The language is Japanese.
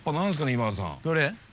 今田さん。